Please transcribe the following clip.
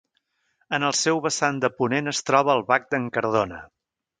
En el seu vessant de ponent es troba el Bac d'en Cardona.